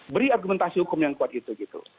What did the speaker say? beri argumentasi hukum yang kuat itu gitu